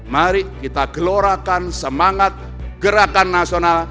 mari kita gelorakan semangat gerakan nasional